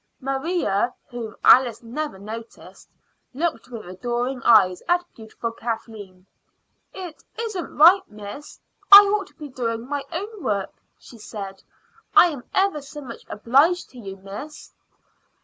Maria, whom Alice never noticed, looked with adoring eyes at beautiful Kathleen. "It isn't right, miss. I ought to be doing my own work," she said. "I am ever so much obliged to you, miss."